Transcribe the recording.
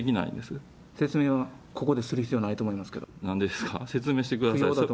説明はここでする必要はないなんでですか、説明してください。